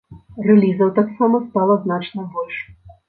Рэлізаў таксама стала значна больш.